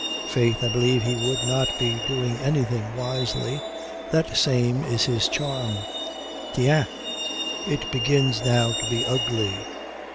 "Faith, I believe he would not be doing anything wisely. That same is his charm." "Tiens, it begins now to be ugly.